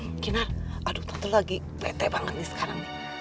um kinar aduh tante lagi lete banget nih sekarang nih